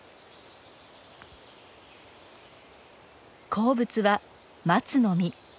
好物はマツの実。